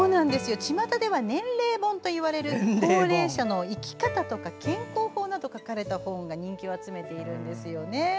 ちまたでは年齢本と言われる高齢者の生き方や健康法などが書かれた本が人気を集めているんですよね。